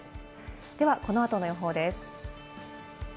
では、この後の予報です。